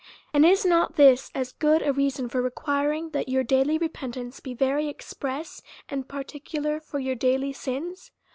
And is not this as good a rea son for requiring that your daily repentance be very express and particular for your daily sins